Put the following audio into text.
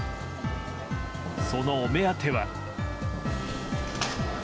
その、お目当ては。